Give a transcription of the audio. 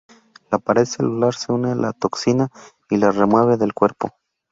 La pared celular se une a la toxina y la remueve del cuerpo.